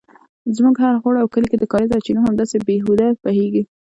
زموږ هر خوړ او کلي کې د کاریزو او چینو همداسې بې هوده بیهږي